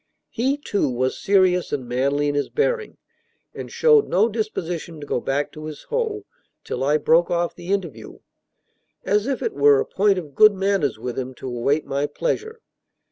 He, too, was serious and manly in his bearing, and showed no disposition to go back to his hoe till I broke off the interview, as if it were a point of good manners with him to await my pleasure.